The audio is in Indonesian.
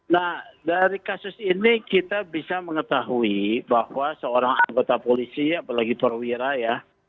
nah dari kasus ini kita bisa mengetahui bahwa seorang anggota polisi apalagi perwira ya